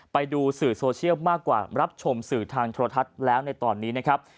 ไปดูสื่อโซเชียลมากกว่ารับชมสื่อทางโทรทัศน์แล้วในตอนนี้นะครับ